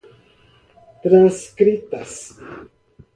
transcritas